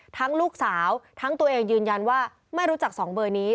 ลูกสาวทั้งตัวเองยืนยันว่าไม่รู้จัก๒เบอร์นี้